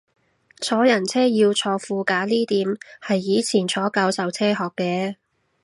坐人車要坐副駕呢點係以前坐教授車學嘅